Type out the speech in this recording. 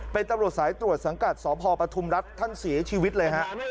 เป็นตำรวจสายตรวจสังกัดสพปทุมรัฐท่านเสียชีวิตเลยฮะ